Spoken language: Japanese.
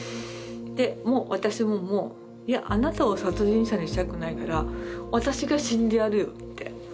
でもう私ももういやあなたを殺人者にしたくないから私が死んでやるよって。